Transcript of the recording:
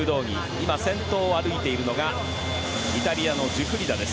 今、先頭を歩いているのがイタリアのジュフリダです。